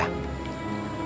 masjid yang tersebut